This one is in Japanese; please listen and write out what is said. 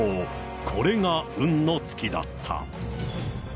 これが運の尽きだった。